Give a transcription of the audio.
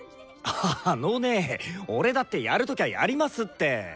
あのね俺だってやるときゃやりますって！